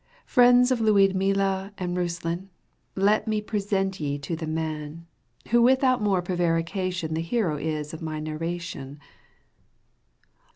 Friends of liudmila and Euslan,^ Let me present ye to the man, Who without more prevarication The hero is of my narration